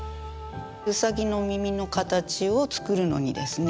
うさぎの耳の形を作るのにですね